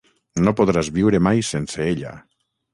No podràs viure mai sense ella.